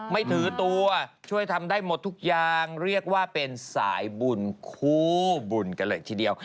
ไม่ถือตัวช่วยทำได้หมดทุกอย่างเรียกว่าเป็นสายบุญคู่บุญกันเลยทีเดียว